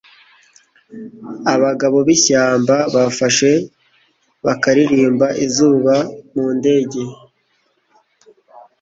abagabo b'ishyamba bafashe bakaririmba izuba mu ndege